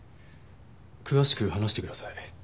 詳しく話してください。